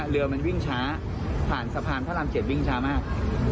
เรือมันวิ่งช้าผ่านสะพานพระราม๗วิ่งช้ามาก